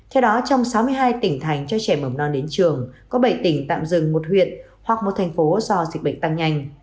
theo đó trong sáu mươi hai tỉnh thành cho trẻ mầm non đến trường có bảy tỉnh tạm dừng một huyện hoặc một thành phố do dịch bệnh tăng nhanh